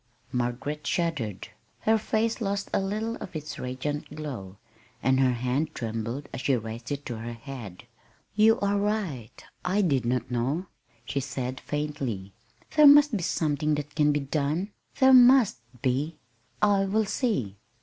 Margaret shuddered. Her face lost a little of its radiant glow, and her hand trembled as she raised it to her head. "You are right I did not know," she said faintly. "There must be something that can be done. There must be. I will see."